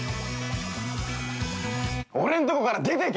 俺んとこから出てけ！